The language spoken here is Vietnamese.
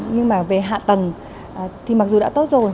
nhưng mà về hạ tầng thì mặc dù đã tốt rồi